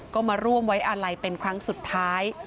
ก็มาร่วมไว้อาลัยเป็นครั้งสุดท้าย